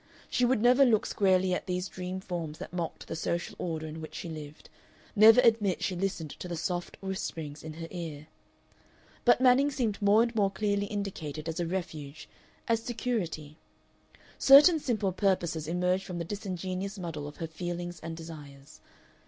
She would never look squarely at these dream forms that mocked the social order in which she lived, never admit she listened to the soft whisperings in her ear. But Manning seemed more and more clearly indicated as a refuge, as security. Certain simple purposes emerged from the disingenuous muddle of her feelings and desires.